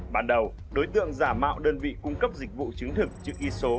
ban đầu đối tượng giả mạo đơn vị cung cấp dịch vụ chứng thực chữ ký số